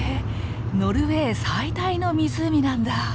ノルウェー最大の湖なんだ！